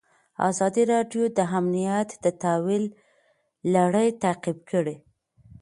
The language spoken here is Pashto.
ازادي راډیو د امنیت د تحول لړۍ تعقیب کړې.